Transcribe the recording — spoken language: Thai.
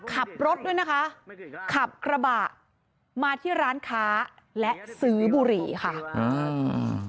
ขับรถด้วยนะคะขับกระบะมาที่ร้านค้าและซื้อบุหรี่ค่ะอ่า